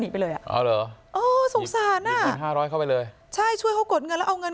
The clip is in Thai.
นิบไปเลยสงสาร๕๐๐เข้าไปเลยใช่ช่วยเขากดเงินเราเอาเงิน